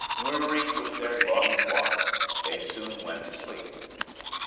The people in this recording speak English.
Weary with their long walk, they soon went to sleep.